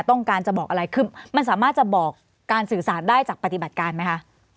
ต้องการจะบอกอะไรคือมันสามารถจะบอกการสื่อสารได้จากปฏิบัติการไหมคะ